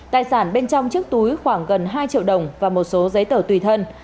tài sản bên trong chiếc túi khoảng gần hai triệu đồng và một số giấy tờ tùy thân